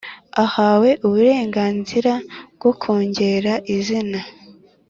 ahawe uburenganzira bwo kongera izina